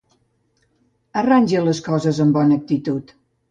Arrangi les coses amb bona actitud.